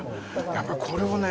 やっぱりこれをね